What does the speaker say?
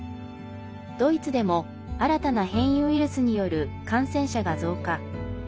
ドイツでも新たな変異ウイルスによる感染者が増加。